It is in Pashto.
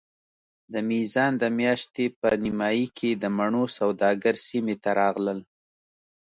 د میزان د میاشتې په نیمایي کې د مڼو سوداګر سیمې ته راغلل.